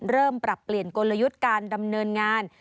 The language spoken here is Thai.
ปรับเปลี่ยนกลยุทธ์การดำเนินงาน